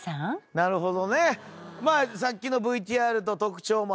なるほど。